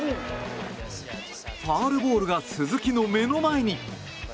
ファウルボールが鈴木の目の前に。